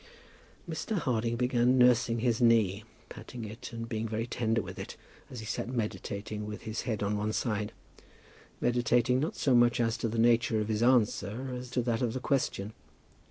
Mr. Harding began nursing his knee, patting it and being very tender to it, as he sat meditating with his head on one side, meditating not so much as to the nature of his answer as to that of the question.